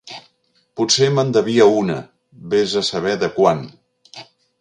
Potser me'n devia una, vés a saber de quan.